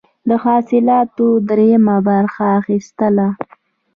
د حاصلاتو دریمه برخه اخیستله.